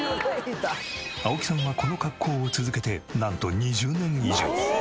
青木さんはこの格好を続けてなんと２０年以上。